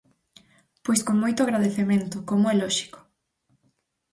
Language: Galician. Pois con moito agradecemento, como é lóxico.